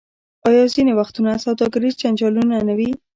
آیا ځینې وختونه سوداګریز جنجالونه نه وي؟